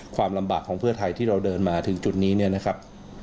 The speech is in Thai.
ความลำบากของเพื่อไทยที่เราเดินมาถึงจุดนี้เนี่ยนะครับ